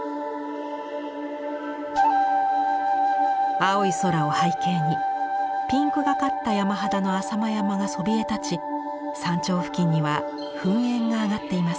青い空を背景にピンクがかった山肌の浅間山がそびえ立ち山頂付近には噴煙が上がっています。